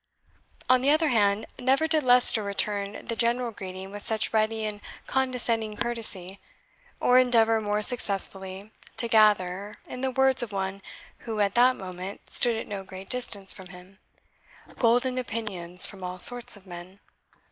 On the other hand, never did Leicester return the general greeting with such ready and condescending courtesy, or endeavour more successfully to gather (in the words of one who at that moment stood at no great distance from him) "golden opinions from all sorts of men."